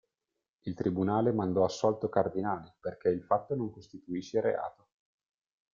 Il tribunale mandò assolto Cardinali "perché il fatto non costituisce reato".